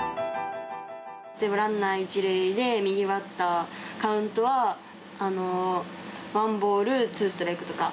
ランナー１塁で右バッターカウントはワンボールツーストライクとか。